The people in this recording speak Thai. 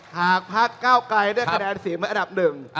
หากพักก้าวไกรได้คะแนนเสียงเป็นอันดับหนึ่ง